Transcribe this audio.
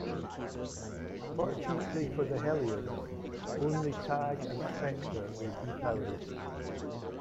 Fortunately for the Hellions, only Tag and Specter were depowered.